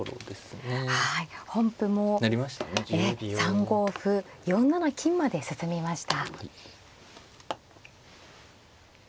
３五歩４七金まで進みました。